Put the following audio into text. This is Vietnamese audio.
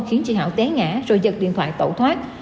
khiến chị hảo té ngã rồi giật điện thoại tẩu thoát